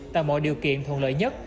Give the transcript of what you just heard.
tại mọi điều kiện thuận lợi nhất